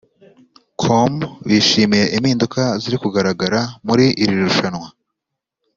com bishimiye impinduka ziri kugaragara muri iri rushanwa